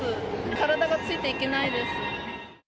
体がついていけないです。